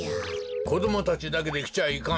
こどもたちだけできちゃいかんぞ。